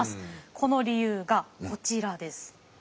この理由がこちらです。